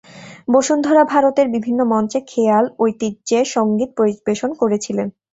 বসুন্ধরা ভারতের বিভিন্ন মঞ্চে খেয়াল ঐতিহ্যে সংগীত পরিবেশন করেছিলেন।